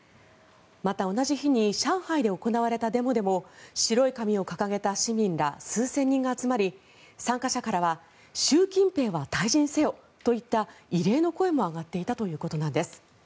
また、同じ日に上海で行われたデモでも白い紙を掲げた市民ら数千人が集まり参加者からは習近平は退陣せよといった異例の声も上がっていたというんです。